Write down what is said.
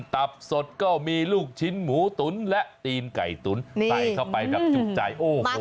ตับสดก็มีลูกชิ้นหมูตุ๋นและตีนไก่ตุ๋นใส่เข้าไปแบบจุใจโอ้โห